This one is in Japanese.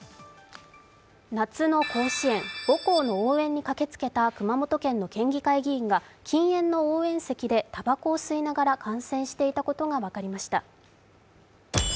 夏の甲子園母校の応援に駆けつけた熊本の県議会議員が禁煙の応援席でたばこを吸いながら観戦していたことが分かりました。